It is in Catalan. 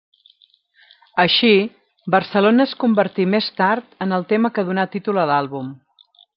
Així, 'Barcelona' es convertí més tard en el tema que donà títol a l'àlbum.